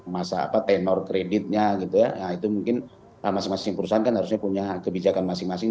masa apa tenor kreditnya gitu ya itu mungkin masing masing perusahaan kan harusnya punya kebijakan masing masing